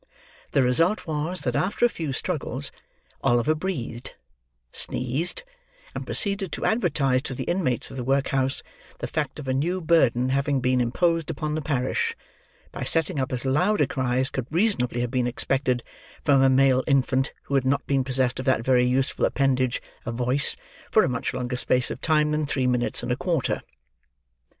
The result was, that, after a few struggles, Oliver breathed, sneezed, and proceeded to advertise to the inmates of the workhouse the fact of a new burden having been imposed upon the parish, by setting up as loud a cry as could reasonably have been expected from a male infant who had not been possessed of that very useful appendage, a voice, for a much longer space of time than three minutes and a quarter.